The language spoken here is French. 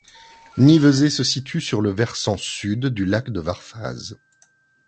Nivezé se situe sur le versant sud du lac de Warfaaz.